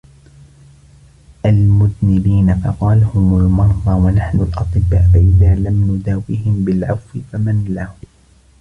الْمُذْنِبِينَ فَقَالَ هُمْ الْمَرْضَى وَنَحْنُ الْأَطِبَّاءُ فَإِذَا لَمْ نُدَاوِهِمْ بِالْعَفْوِ فَمَنْ لَهُمْ